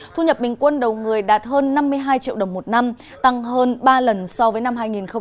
thu nhập bình quân đầu người đạt hơn năm mươi hai triệu đồng một năm tăng hơn ba lần so với năm hai nghìn một mươi